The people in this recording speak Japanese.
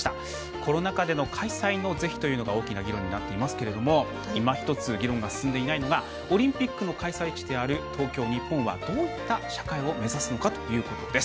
コロナ禍での開催の是非というのが大きな議論になっていますけれどもいまひとつ議論が進んでいないのがオリンピックの開催地である東京、日本はどういった社会を目指すのかということです。